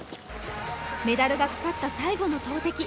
メダルがかかった去年の投てき。